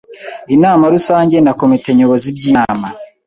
Inama Rusange na Komite Nyobozi by Inama